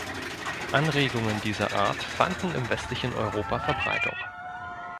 Anregungen dieser Art fanden im westlichen Europa Verbreitung.